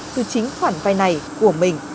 từ chính khoản vay này của mình